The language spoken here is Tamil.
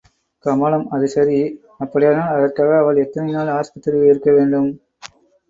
கமலம் அது சரி, அப்படியானால் அதற்காக அவள் எத்தனை நாள் ஆஸ்பத்திரியில் இருக்க வேண்டும்?